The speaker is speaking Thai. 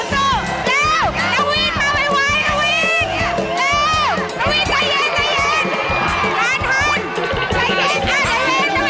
แล้วน้าวินมาไม่ไวนน้าวิน